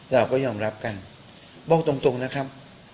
เราก็ยอมรับกันบอกตรงนะครับ